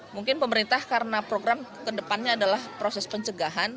mungkin pemerintah karena program ke depannya adalah proses pencegahan